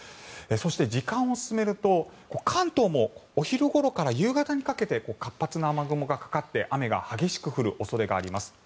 そして、時間を進めると関東もお昼ごろから夕方にかけて活発な雨雲がかかって雨が激しく降る恐れがあります。